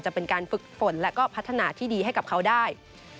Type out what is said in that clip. จะเป็นการฝึกฝนและก็พัฒนาที่ดีให้กับเขาได้